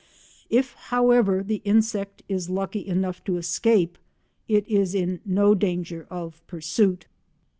If, however, the insect is lucky enough to escape, it is in no danger of pursuit.